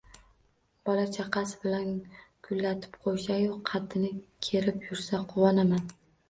Bola-chaqasi bilan gullatib qo’ysa-yu, qaddini kerib yursa, quvonaman.